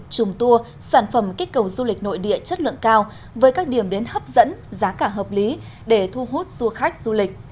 chùm tour sản phẩm kích cầu du lịch nội địa chất lượng cao với các điểm đến hấp dẫn giá cả hợp lý để thu hút du khách du lịch